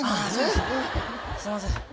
すいません。